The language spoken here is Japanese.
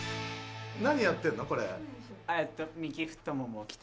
何やってんのこれ？